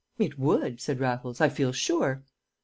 "It would," said Raffles, "I feel sure."